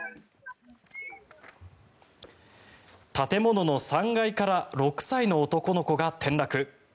建物の３階から６歳の男の子が転落。